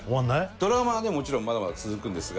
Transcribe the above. ドラマはねもちろんまだまだ続くんですが。